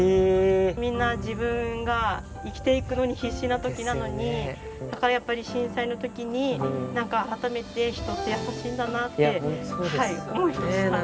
みんな自分が生きていくのに必死なときなのに、だからやっぱり震災のときに、なんか改めて人って優しいんだなって思いました。